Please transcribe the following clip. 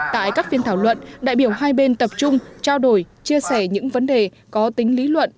tại các phiên thảo luận đại biểu hai bên tập trung trao đổi chia sẻ những vấn đề có tính lý luận